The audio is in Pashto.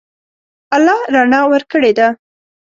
الله رڼا ورکړې ده.